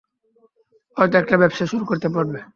হয়তো একটা ব্যবসা শুরু করতে পারবে।